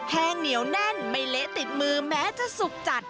แห้งเหนียวแน่นไม่เละติดมือแม้จะสุกจัด